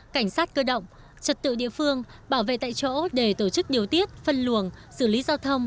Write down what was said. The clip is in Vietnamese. cảnh sát cơ động trật tự địa phương bảo vệ tại chỗ để tổ chức điều tiết phân luồng xử lý giao thông